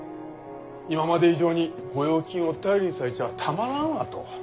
今まで以上に御用金を頼りにされちゃあたまらんわと。